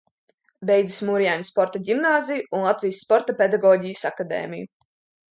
Beidzis Murjāņu sporta ģimnāziju un Latvijas Sporta pedagoģijas akadēmiju.